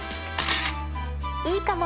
いいかも！